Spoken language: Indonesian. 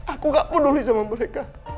aku gak peduli sama mereka